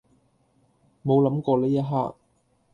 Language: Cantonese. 冇諗過呢一刻